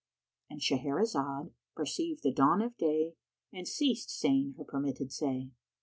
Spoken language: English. "—And Shahrazad perceived the dawn of day and ceased saying her permitted say.